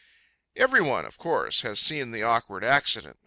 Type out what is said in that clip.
Every one, of course, has seen the awkward accident.